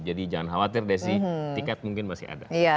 jadi jangan khawatir desi tiket mungkin masih ada